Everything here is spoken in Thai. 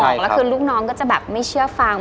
แล้วคือลูกน้องก็จะแบบไม่เชื่อฟัง